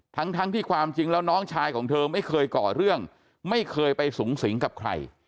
ทั้งทั้งที่ความจริงแล้วน้องชายของเธอไม่เคยก่อเรื่องไม่เคยไปสูงสิงกับใคร